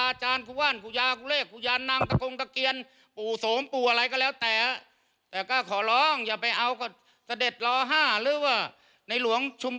อ่าเดี๋ยวไปฟังเสียงอีกรอบหนึ่งค่ะ